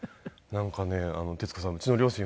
なんかね徹子さんうちの両親